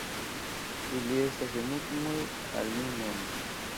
Ili estas enigmoj al mi mem.